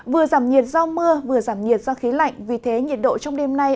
vừa giảm nhiệt do mưa vừa giảm nhiệt do khí lạnh vì thế nhiệt độ trong đêm nay